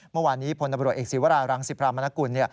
เมื่อวานนี้พลตำรวจเอกศีวรารังสิพรามนกุล